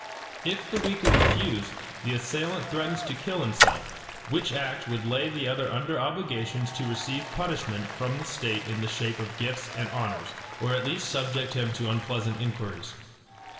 If the weaker refuse, the assailant threatens to kill himself, which act would lay the other under obligations to receive punishment from the state in the shape of gifts and honors, or at least subject him to unpleasant inquiries.